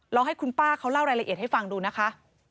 ให้คุณป้าเขาเล่ารายละเอียดให้ฟังดูนะคะ